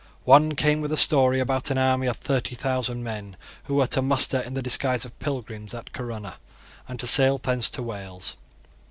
One came with a story about an army of thirty thousand men who were to muster in the disguise of pilgrims at Corunna, and to sail thence to Wales.